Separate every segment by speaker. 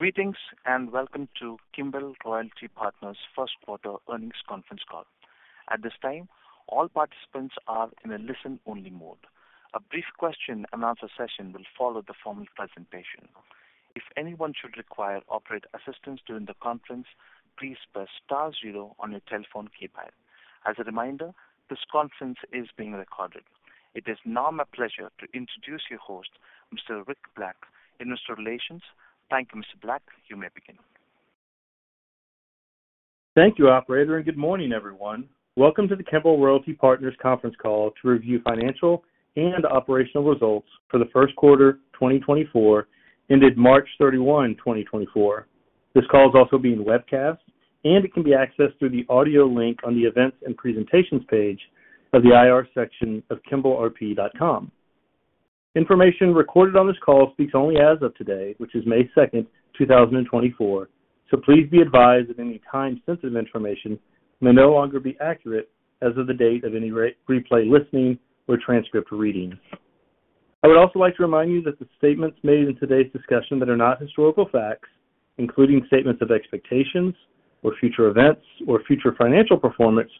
Speaker 1: Greetings, and welcome to Kimbell Royalty Partners' first quarter earnings conference call. At this time, all participants are in a listen-only mode. A brief question-and-answer session will follow the formal presentation. If anyone should require operator assistance during the conference, please press star zero on your telephone keypad. As a reminder, this conference is being recorded. It is now my pleasure to introduce your host, Mr. Rick Black, Investor Relations. Thank you, Mr. Black. You may begin.
Speaker 2: Thank you, operator, and good morning, everyone. Welcome to the Kimbell Royalty Partners conference call to review financial and operational results for the first quarter, 2024, ended March 31, 2024. This call is also being webcast, and it can be accessed through the audio link on the Events and Presentations page of the IR section of kimbellrp.com. Information recorded on this call speaks only as of today, which is May 2nd, 2024, so please be advised that any time-sensitive information may no longer be accurate as of the date of any replay listening or transcript reading. I would also like to remind you that the statements made in today's discussion that are not historical facts, including statements of expectations or future events or future financial performance,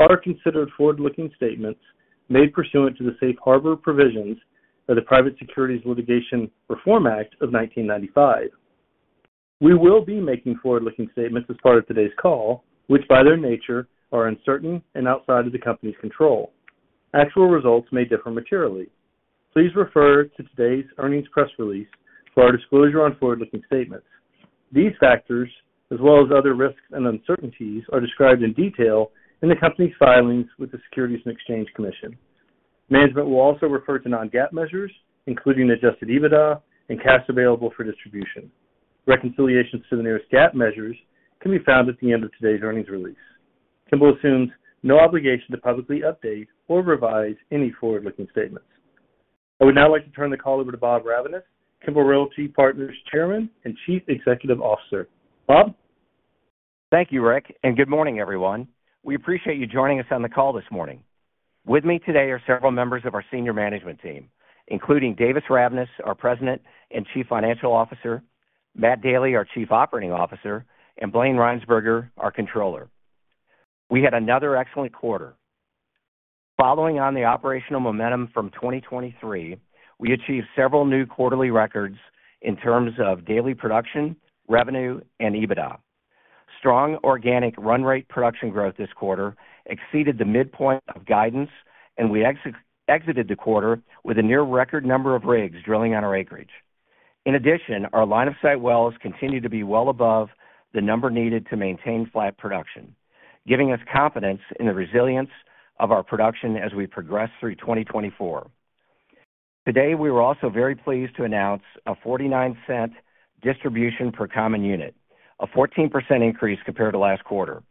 Speaker 2: are considered forward-looking statements made pursuant to the safe harbor provisions of the Private Securities Litigation Reform Act of 1995. We will be making forward-looking statements as part of today's call, which, by their nature, are uncertain and outside of the company's control. Actual results may differ materially. Please refer to today's earnings press release for our disclosure on forward-looking statements. These factors, as well as other risks and uncertainties, are described in detail in the company's filings with the Securities and Exchange Commission. Management will also refer to non-GAAP measures, including adjusted EBITDA and cash available for distribution. Reconciliations to the nearest GAAP measures can be found at the end of today's earnings release. Kimbell assumes no obligation to publicly update or revise any forward-looking statements. I would now like to turn the call over to Bob Ravnaas, Kimbell Royalty Partners Chairman and Chief Executive Officer. Bob?
Speaker 3: Thank you, Rick, and good morning, everyone. We appreciate you joining us on the call this morning. With me today are several members of our senior management team, including Davis Ravnaas, our president and chief financial officer, Matt Daly, our chief operating officer, and Blayne Rhynsburger, our controller. We had another excellent quarter. Following on the operational momentum from 2023, we achieved several new quarterly records in terms of daily production, revenue, and EBITDA. Strong organic run rate production growth this quarter exceeded the midpoint of guidance, and we exited the quarter with a near record number of rigs drilling on our acreage. In addition, our line-of-sight wells continue to be well above the number needed to maintain flat production, giving us confidence in the resilience of our production as we progress through 2024. Today, we were also very pleased to announce a $0.49 distribution per common unit, a 14% increase compared to last quarter.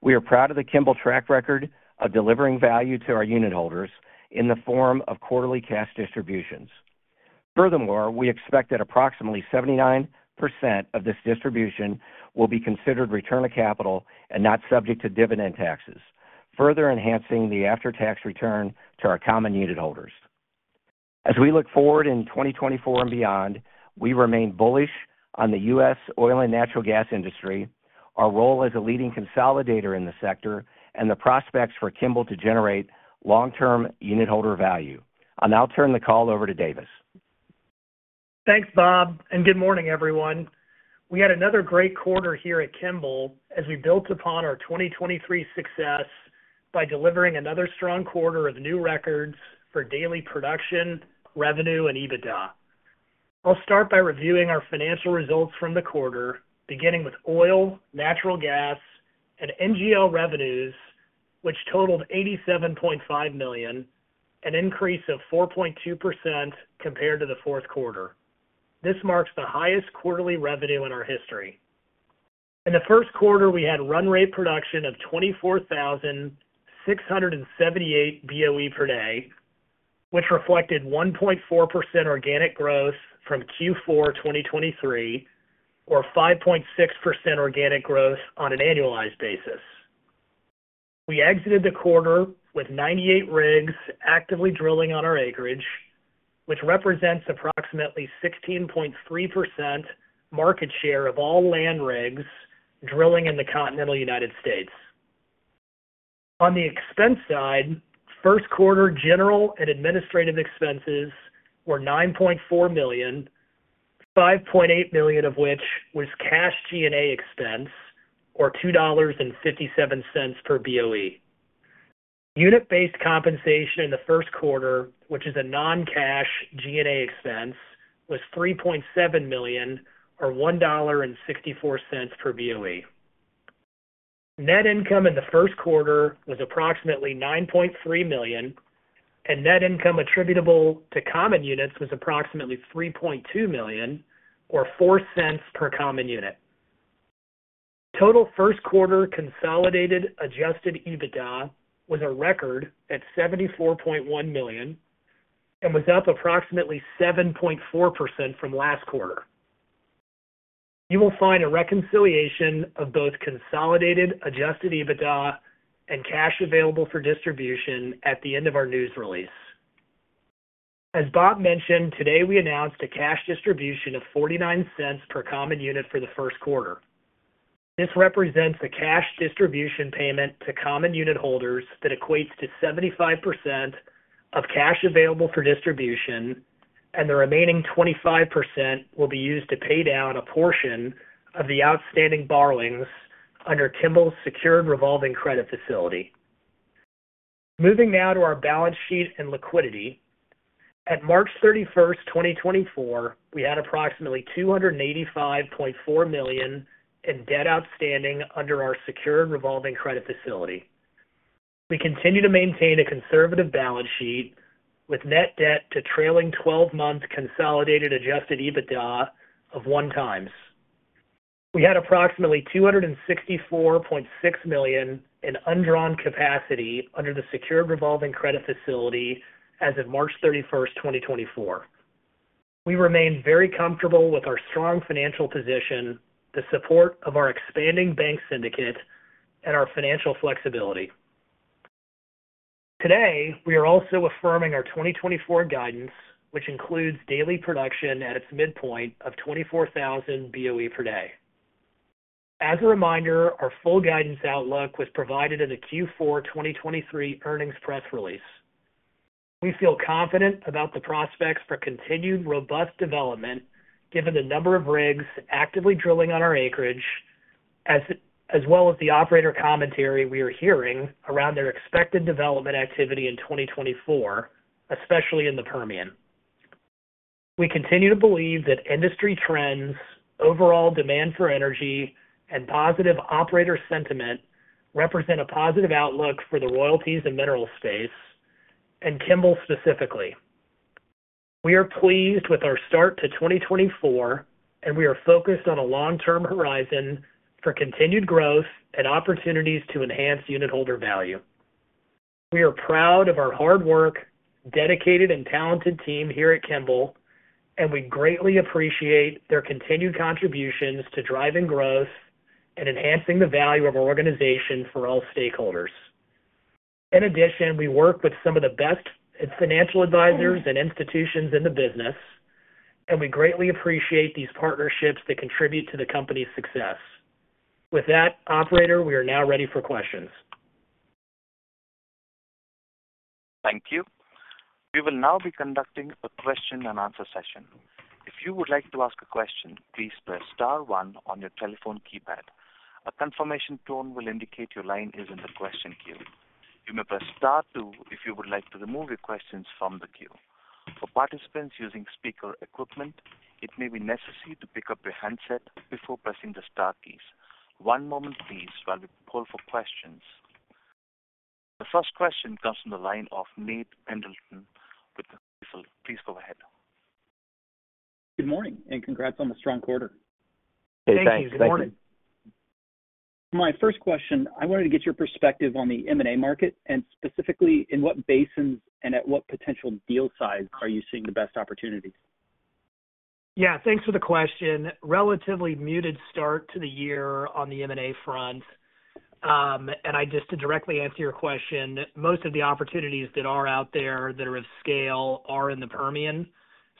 Speaker 3: We are proud of the Kimbell track record of delivering value to our unitholders in the form of quarterly cash distributions. Furthermore, we expect that approximately 79% of this distribution will be considered return of capital and not subject to dividend taxes, further enhancing the after-tax return to our common unitholders. As we look forward in 2024 and beyond, we remain bullish on the U.S. oil and natural gas industry, our role as a leading consolidator in the sector, and the prospects for Kimbell to generate long-term unitholder value. I'll now turn the call over to Davis.
Speaker 4: Thanks, Bob, and good morning, everyone. We had another great quarter here at Kimbell as we built upon our 2023 success by delivering another strong quarter of new records for daily production, revenue, and EBITDA. I'll start by reviewing our financial results from the quarter, beginning with oil, natural gas, and NGL revenues, which totaled $87.5 million, an increase of 4.2% compared to the fourth quarter. This marks the highest quarterly revenue in our history. In the first quarter, we had run rate production of 24,678 BOE per day, which reflected 1.4% organic growth from Q4 2023, or 5.6% organic growth on an annualized basis. We exited the quarter with 98 rigs actively drilling on our acreage, which represents approximately 16.3% market share of all land rigs drilling in the continental United States. On the expense side, first quarter general and administrative expenses were $9.4 million, $5.8 million of which was cash G&A expense, or $2.57 per BOE. Unit-based compensation in the first quarter, which is a non-cash G&A expense, was $3.7 million, or $1.64 per BOE. Net income in the first quarter was approximately $9.3 million, and net income attributable to common units was approximately $3.2 million, or $0.04 per common unit. Total first quarter consolidated Adjusted EBITDA was a record at $74.1 million and was up approximately 7.4% from last quarter. You will find a reconciliation of both consolidated Adjusted EBITDA and cash available for distribution at the end of our news release. As Bob mentioned, today, we announced a cash distribution of $0.49 per common unit for the first quarter. This represents a cash distribution payment to common unit holders that equates to 75% of cash available for distribution, and the remaining 25% will be used to pay down a portion of the outstanding borrowings under Kimbell's secured revolving credit facility. Moving now to our balance sheet and liquidity. At March 31st, 2024, we had approximately $285.4 million in debt outstanding under our secured revolving credit facility. We continue to maintain a conservative balance sheet with net debt to trailing twelve months consolidated Adjusted EBITDA of 1x. We had approximately $264.6 million in undrawn capacity under the secured revolving credit facility as of March 31st, 2024. We remain very comfortable with our strong financial position, the support of our expanding bank syndicate, and our financial flexibility. Today, we are also affirming our 2024 guidance, which includes daily production at its midpoint of 24,000 BOE per day. As a reminder, our full guidance outlook was provided in the Q4 2023 earnings press release. We feel confident about the prospects for continued robust development, given the number of rigs actively drilling on our acreage, as well as the operator commentary we are hearing around their expected development activity in 2024, especially in the Permian. We continue to believe that industry trends, overall demand for energy, and positive operator sentiment represent a positive outlook for the royalties and mineral space, and Kimbell specifically. We are pleased with our start to 2024, and we are focused on a long-term horizon for continued growth and opportunities to enhance unitholder value. We are proud of our hard work, dedicated and talented team here at Kimbell, and we greatly appreciate their continued contributions to driving growth and enhancing the value of our organization for all stakeholders. In addition, we work with some of the best financial advisors and institutions in the business, and we greatly appreciate these partnerships that contribute to the company's success. With that, operator, we are now ready for questions.
Speaker 1: Thank you. We will now be conducting a question and answer session. If you would like to ask a question, please press star one on your telephone keypad. A confirmation tone will indicate your line is in the question queue. You may press star two if you would like to remove your questions from the queue. For participants using speaker equipment, it may be necessary to pick up your handset before pressing the star keys. One moment, please, while we pull for questions. The first question comes from the line of Nate Pendleton with Stifel. Please go ahead.
Speaker 5: Good morning, and congrats on the strong quarter.
Speaker 4: Hey, thanks. Good morning.
Speaker 5: Thank you. My first question, I wanted to get your perspective on the M&A market, and specifically in what basins and at what potential deal size are you seeing the best opportunities?
Speaker 4: Yeah, thanks for the question. Relatively muted start to the year on the M&A front. And I just to directly answer your question, most of the opportunities that are out there that are of scale are in the Permian.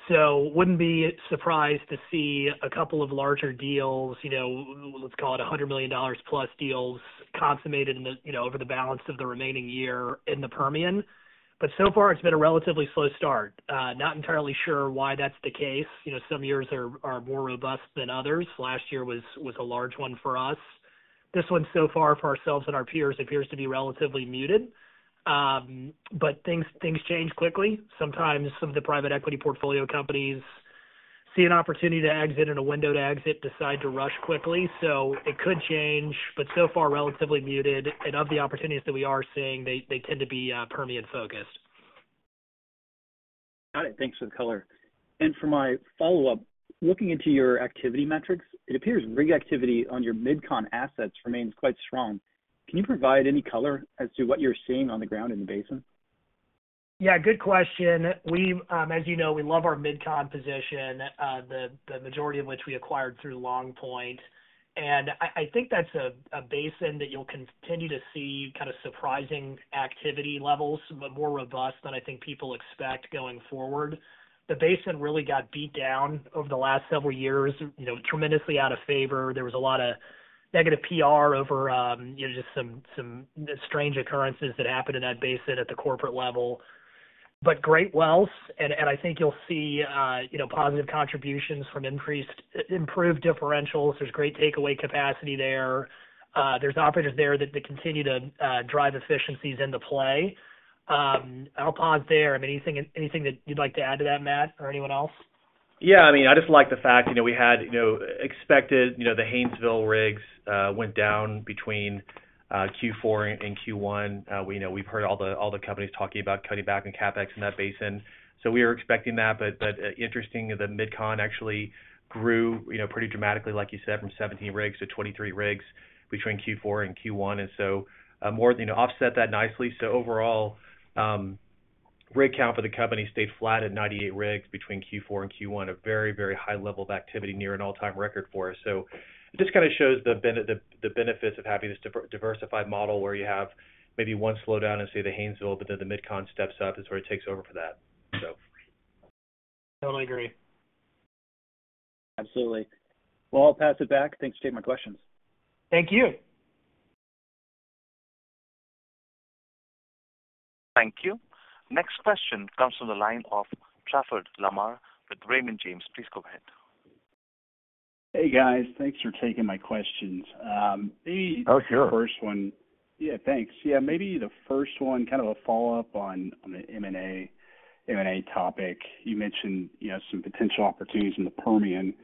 Speaker 4: So wouldn't be surprised to see a couple of larger deals, you know, let's call it $100 million plus deals consummated in the, you know, over the balance of the remaining year in the Permian. But so far, it's been a relatively slow start. Not entirely sure why that's the case. You know, some years are more robust than others. Last year was a large one for us. This one, so far for ourselves and our peers, appears to be relatively muted. But things change quickly. Sometimes some of the private equity portfolio companies see an opportunity to exit and a window to exit, decide to rush quickly, so it could change, but so far, relatively muted. And of the opportunities that we are seeing, they tend to be, Permian-focused.
Speaker 5: Got it. Thanks for the color. For my follow-up, looking into your activity metrics, it appears rig activity on your MidCon assets remains quite strong. Can you provide any color as to what you're seeing on the ground in the basin?
Speaker 4: Yeah, good question. We, as you know, we love our MidCon position, the majority of which we acquired through Longpoint. And I think that's a basin that you'll continue to see kind of surprising activity levels, but more robust than I think people expect going forward. The basin really got beat down over the last several years, you know, tremendously out of favor. There was a lot of negative PR over, you know, just some strange occurrences that happened in that basin at the corporate level. But great wells, and I think you'll see, you know, positive contributions from improved differentials. There's great takeaway capacity there. There's operators there that continue to drive efficiencies into play. I'll pause there. I mean, anything that you'd like to add to that, Matt, or anyone else?
Speaker 6: Yeah, I mean, I just like the fact, you know, we had, you know, expected, you know, the Haynesville rigs went down between Q4 and Q1. We know, we've heard all the, all the companies talking about cutting back on CapEx in that basin, so we were expecting that. But interesting, the MidCon actually grew, you know, pretty dramatically, like you said, from 17 rigs to 23 rigs between Q4 and Q1. And so, more, you know, offset that nicely. So overall, rig count for the company stayed flat at 98 rigs between Q4 and Q1, a very, very high level of activity, near an all-time record for us. So it just kinda shows the benefits of having this diversified model where you have maybe one slowdown and say, the Haynesville, but then the MidCon steps up and sort of takes over for that, so.
Speaker 4: Totally agree.
Speaker 5: Absolutely. Well, I'll pass it back. Thanks for taking my questions.
Speaker 4: Thank you.
Speaker 1: Thank you. Next question comes from the line of Trafford Lamar with Raymond James. Please go ahead.
Speaker 7: Hey, guys. Thanks for taking my questions.
Speaker 4: Oh, sure.
Speaker 7: First one. Yeah, thanks. Yeah, maybe the first one, kind of a follow-up on the M&A topic. You mentioned, you know, some potential opportunities in the Permian.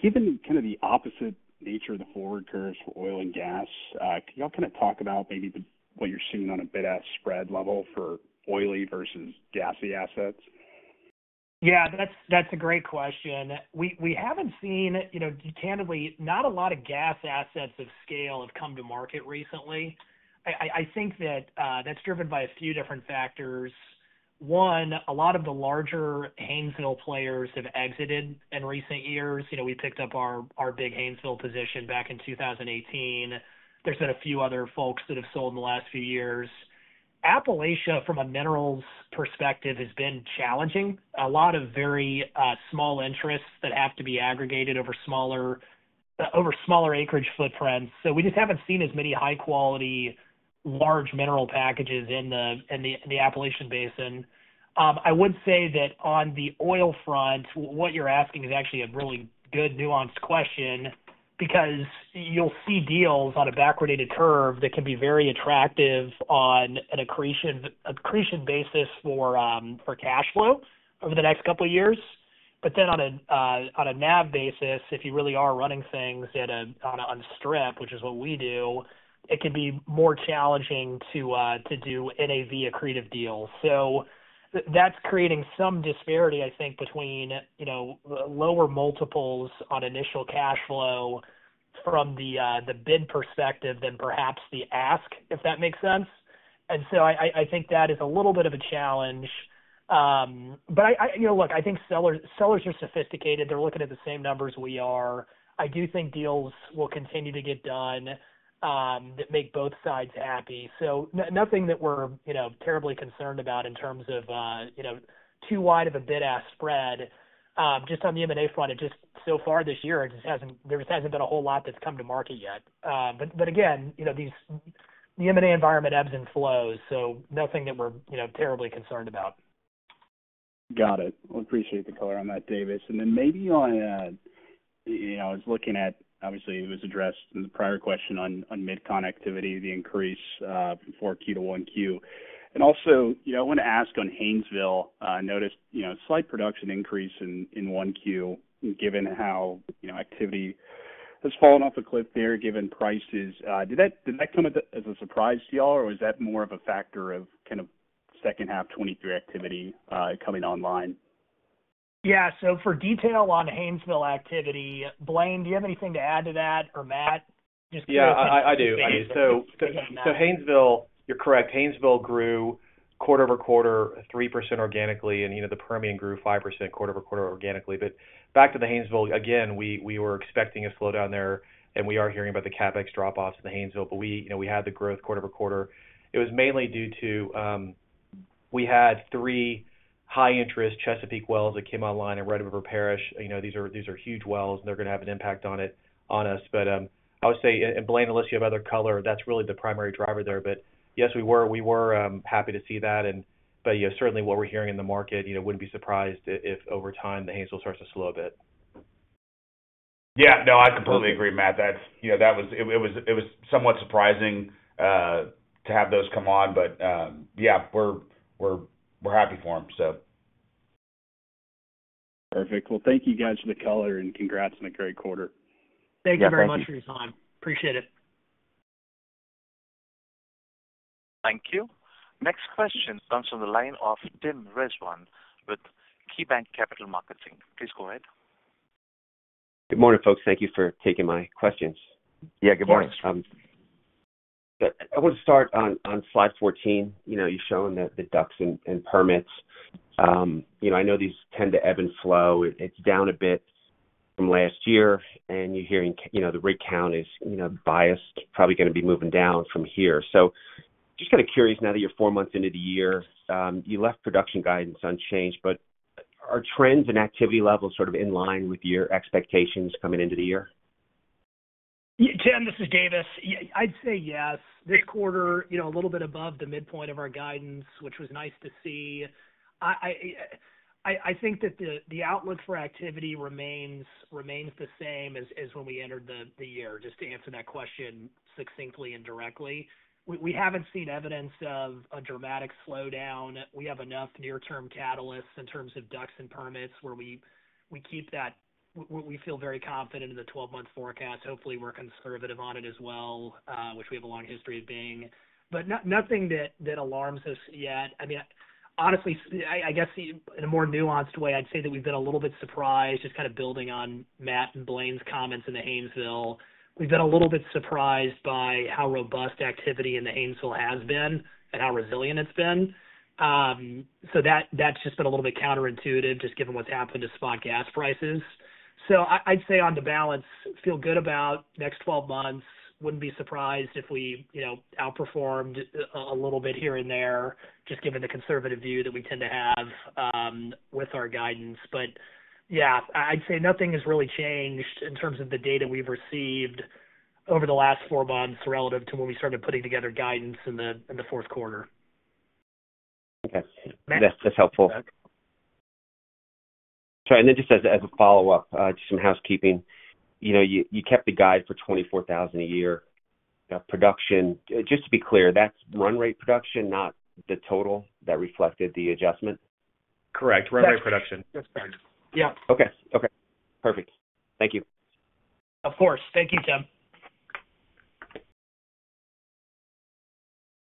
Speaker 7: Given kind of the opposite nature of the forward curves for oil and gas, can you all kind of talk about maybe the what you're seeing on a bid-ask spread level for oily versus gassy assets?
Speaker 4: Yeah, that's a great question. We haven't seen—you know, candidly, not a lot of gas assets of scale have come to market recently. I think that that's driven by a few different factors. One, a lot of the larger Haynesville players have exited in recent years. You know, we picked up our big Haynesville position back in 2018. There's been a few other folks that have sold in the last few years. Appalachia, from a minerals perspective, has been challenging. A lot of very small interests that have to be aggregated over smaller acreage footprints. So we just haven't seen as many high-quality, large mineral packages in the Appalachian Basin. I would say that on the oil front, what you're asking is actually a really good nuanced question, because you'll see deals on a backwardated curve that can be very attractive on an accretion, accretion basis for cash flow over the next couple of years. But then on a NAV basis, if you really are running things at a, on a, on strip, which is what we do, it can be more challenging to do NAV accretive deals. So that's creating some disparity, I think, between, you know, lower multiples on initial cash flow from the bid perspective than perhaps the ask, if that makes sense. And so I think that is a little bit of a challenge. But you know, look, I think sellers, sellers are sophisticated. They're looking at the same numbers we are. I do think deals will continue to get done, that make both sides happy. So nothing that we're, you know, terribly concerned about in terms of, you know, too wide of a bid-ask spread. Just on the M&A front, it just so far this year, it just hasn't, there just hasn't been a whole lot that's come to market yet. But again, you know, these, the M&A environment ebbs and flows, so nothing that we're, you know, terribly concerned about.
Speaker 7: Got it. Well, appreciate the color on that, Davis. And then maybe on, you know, I was looking at, obviously, it was addressed in the prior question on MidCon activity, the increase from 4Q to 1Q. And also, you know, I want to ask on Haynesville, I noticed, you know, a slight production increase in 1Q, given how, you know, activity has fallen off a cliff there, given prices. Did that come as a surprise to you all, or was that more of a factor of kind of second half 2023 activity coming online?
Speaker 4: Yeah, so for detail on Haynesville activity, Blayne, do you have anything to add to that, or Matt?
Speaker 6: Yeah, I do. I do. So, Haynesville, you're correct. Haynesville grew quarter-over-quarter, 3% organically, and, you know, the Permian grew 5% quarter-over-quarter organically. But back to the Haynesville, again, we were expecting a slowdown there, and we are hearing about the CapEx drop-offs in the Haynesville, but we, you know, we had the growth quarter-over-quarter. It was mainly due to we had three high-interest Chesapeake wells that came online in Red River Parish. You know, these are huge wells, and they're going to have an impact on it, on us. But I would say, and Blayne, unless you have other color, that's really the primary driver there. But yes, we were happy to see that. You know, certainly what we're hearing in the market, you know, wouldn't be surprised if over time, the Haynesville starts to slow a bit.
Speaker 3: Yeah, no, I completely agree, Matt. That's, you know, that was somewhat surprising to have those come on. But, yeah, we're happy for them, so.
Speaker 7: Perfect. Well, thank you guys for the color, and congrats on a great quarter.
Speaker 4: Thank you very much for your time. Appreciate it.
Speaker 1: Thank you. Next question comes from the line of Tim Rezvan with KeyBanc Capital Markets. Please go ahead.
Speaker 8: Good morning, folks. Thank you for taking my questions.
Speaker 3: Yeah, good morning.
Speaker 4: Yes.
Speaker 8: I want to start on slide 14. You know, you've shown the DUCs and permits. You know, I know these tend to ebb and flow. It's down a bit from last year, and you're hearing, you know, the rig count is, you know, biased, probably gonna be moving down from here. So just kind of curious, now that you're four months into the year, you left production guidance unchanged, but are trends and activity levels sort of in line with your expectations coming into the year?
Speaker 4: Tim, this is Davis. I'd say yes. This quarter, you know, a little bit above the midpoint of our guidance, which was nice to see. I think that the outlook for activity remains the same as when we entered the year, just to answer that question succinctly and directly. We haven't seen evidence of a dramatic slowdown. We have enough near-term catalysts in terms of DUCs and permits where we keep that we feel very confident in the twelve-month forecast. Hopefully, we're conservative on it as well, which we have a long history of being. But nothing that alarms us yet. I mean, honestly, I guess, in a more nuanced way, I'd say that we've been a little bit surprised, just kind of building on Matt and Blayne's comments in the Haynesville. We've been a little bit surprised by how robust activity in the Haynesville has been and how resilient it's been. So that, that's just been a little bit counterintuitive, just given what's happened to spot gas prices. So I'd say on the balance, feel good about next twelve months. Wouldn't be surprised if we, you know, outperformed a, a little bit here and there, just given the conservative view that we tend to have... with our guidance. But yeah, I'd say nothing has really changed in terms of the data we've received over the last four months, relative to when we started putting together guidance in the, in the fourth quarter.
Speaker 8: Okay.
Speaker 4: Matt?
Speaker 8: That's, that's helpful. Sorry, and then just as, as a follow-up, just some housekeeping. You know, you, you kept the guide for 24,000 a year. Now, production, just to be clear, that's run rate production, not the total that reflected the adjustment?
Speaker 6: Correct. Run Rate Production.
Speaker 4: Yeah.
Speaker 8: Okay. Okay, perfect. Thank you.
Speaker 4: Of course. Thank you, Tim.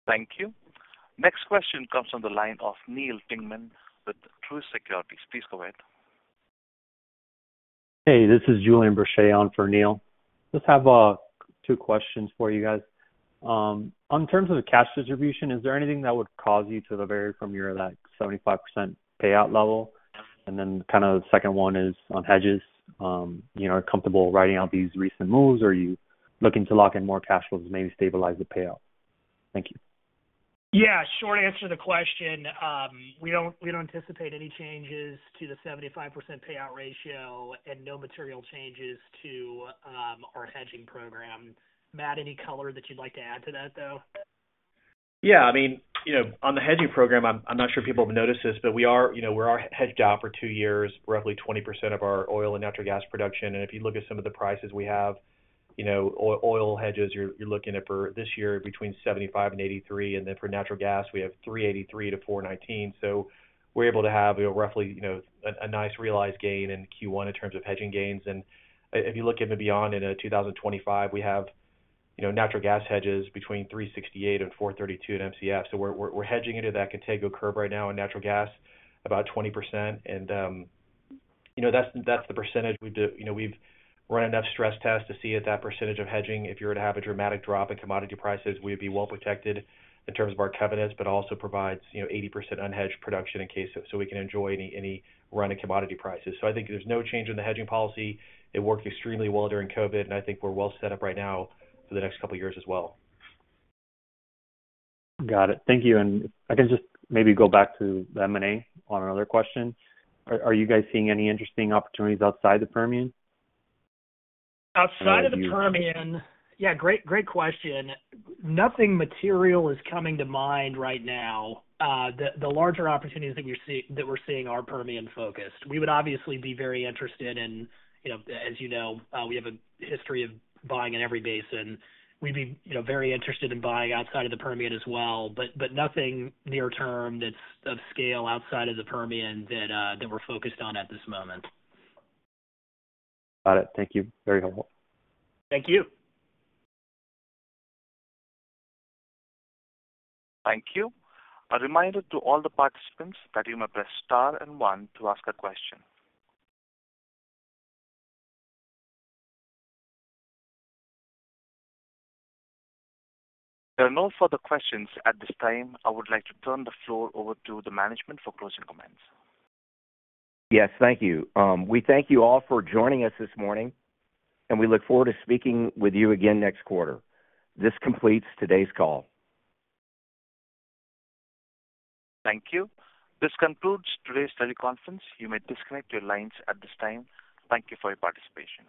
Speaker 1: Thank you. Next question comes from the line of Neil Dingmann with Truist Securities. Please go ahead.
Speaker 9: Hey, this is Julian Boucher on for Neil. Just have two questions for you guys. On terms of the cash distribution, is there anything that would cause you to vary from your, like, 75% payout level? And then kind of the second one is on hedges. You know, are you comfortable writing out these recent moves, or are you looking to lock in more cash flows to maybe stabilize the payout? Thank you.
Speaker 4: Yeah, short answer to the question, we don't, we don't anticipate any changes to the 75% payout ratio and no material changes to our hedging program. Matt, any color that you'd like to add to that, though?
Speaker 6: Yeah, I mean, you know, on the hedging program, I'm not sure if people have noticed this, but we are, you know, we are hedged out for two years, roughly 20% of our oil and natural gas production. And if you look at some of the prices we have, you know, oil hedges, you're looking at for this year between $75-$83, and then for natural gas, we have $3.83-$4.19. So we're able to have, you know, roughly, you know, a nice realized gain in Q1 in terms of hedging gains. And if you look into beyond in 2025, we have, you know, natural gas hedges between $3.68-$4.32 at Mcf. So we're hedging into that Contango curve right now in natural gas, about 20%. You know, that's the percentage we do. You know, we've run enough stress tests to see at that percentage of hedging, if you were to have a dramatic drop in commodity prices, we'd be well protected in terms of our covenants, but also provides, you know, 80% unhedged production in case of... So we can enjoy any run in commodity prices. So I think there's no change in the hedging policy. It worked extremely well during COVID, and I think we're well set up right now for the next couple of years as well.
Speaker 9: Got it. Thank you. And if I can just maybe go back to the M&A on another question. Are you guys seeing any interesting opportunities outside the Permian?
Speaker 4: Outside of the Permian... Yeah, great, great question. Nothing material is coming to mind right now. The larger opportunities that we're seeing are Permian-focused. We would obviously be very interested in, you know, as you know, we have a history of buying in every basin. We'd be, you know, very interested in buying outside of the Permian as well, but nothing near term that's of scale outside of the Permian that we're focused on at this moment.
Speaker 9: Got it. Thank you. Very helpful.
Speaker 4: Thank you.
Speaker 1: Thank you. A reminder to all the participants that you may press star and one to ask a question. There are no further questions at this time. I would like to turn the floor over to the management for closing comments.
Speaker 3: Yes, thank you. We thank you all for joining us this morning, and we look forward to speaking with you again next quarter. This completes today's call.
Speaker 1: Thank you. This concludes today's teleconference. You may disconnect your lines at this time. Thank you for your participation.